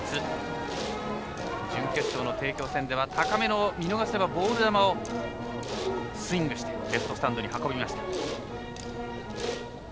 準決勝の帝京戦では高めの見逃せばボール球をスイングしてレフトスタンドに運びました。